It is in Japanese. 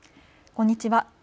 こんにちは。